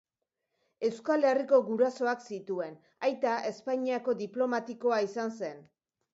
Euskal Herriko gurasoak zituen, aita Espainiako diplomatikoa izan zen.